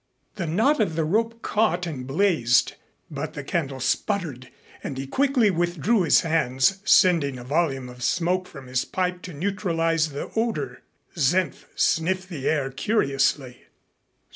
The knot of the rope caught and blazed, but the candle sputtered, and he quickly withdrew his hands, sending a volume of smoke from his pipe to neutralize the odor. Senf sniffed the air curiously.